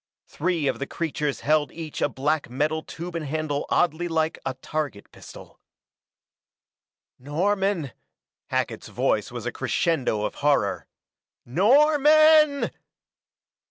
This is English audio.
Three of the creatures held each a black metal tube and handle oddly like a target pistol. "Norman!" Hackett's voice was a crescendo of horror. "_Norman!